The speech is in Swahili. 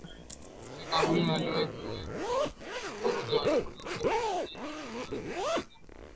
Jose Chameleone aliwahi kuwepo kwenye orodha ya Wanamuziki matajiri Afrika akiwa ni